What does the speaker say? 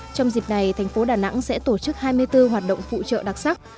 trong dịp này thành phố đà nẵng sẽ tổ chức hai mươi bốn hoạt động phụ trợ đặc sắc